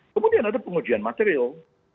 kemudian ada pengujian material